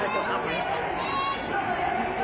แต่พวกเราไม่รู้เลยยังได้รภาษาให้สุด